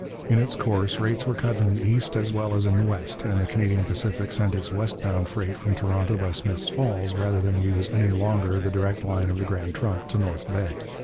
In its course rates were cut in the east as well as in the west, and the Canadian Pacific sent its west bound freight from Toronto by Smith's Falls rather than use any longer the direct line of the Grand Trunk to North Bay.